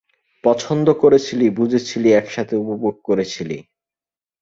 পছন্দ করেছিলি, বুঝেছিলি, একসাথে উপভোগ করেছিলি।